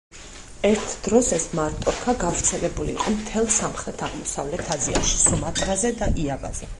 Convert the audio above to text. ერთ დროს ეს მარტორქა გავრცელებული იყო მთელ სამხრეთ აღმოსავლეთ აზიაში, სუმატრაზე და იავაზე.